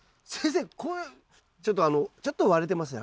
ちょっとちょっと割れてますね